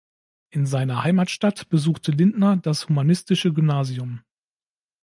In seiner Heimatstadt besuchte Lindner das humanistische Gymnasium.